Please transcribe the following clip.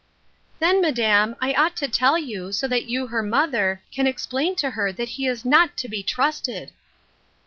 "Then, madam, I ought to tell you, so that you, her mother, can explain to her that he is not to be trusted."